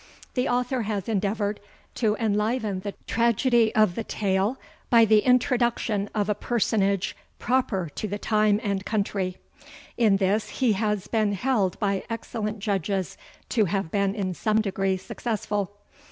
The author has endeavoured to enliven the tragedy of the tale by the introduction of a personage proper to the time and country. In this he has been held by excellent judges to have been in some degree successful.